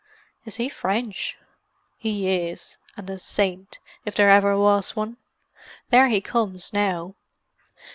"Is he French?" "He is—and a saint, if there ever was one. There he comes now."